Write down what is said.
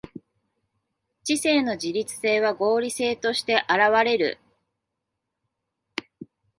知性の自律性は合理性として現われる。